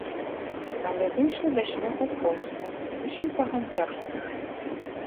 Але выйшла да смеху проста, зусім па-гандлярску.